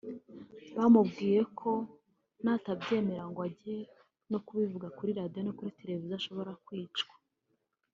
bamubwiye ko natabyemera ngo ajye no kubivugira kuri Radiyo na Televiziyo ashobora kwicwa